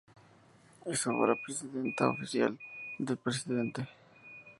Es ahora la residencia oficial del Presidente.